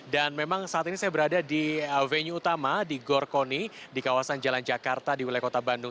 dan memang saat ini saya berada di venue utama di gorkoni di kawasan jalan jakarta di wilayah kota bandung